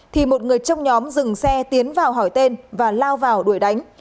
thì một người trong nhóm dừng xe tiến vào hỏi tên và lao vào đuổi đánh